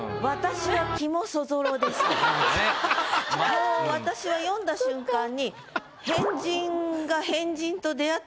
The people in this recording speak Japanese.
もう私は読んだ瞬間に違う。